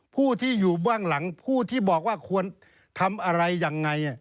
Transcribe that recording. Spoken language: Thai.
ผู้ที่อยู่เบื้องหลังผู้ที่บอกว่าควรทำอะไรยังไง